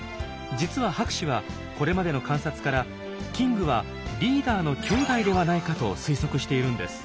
実は博士はこれまでの観察からキングはリーダーのきょうだいではないかと推測しているんです。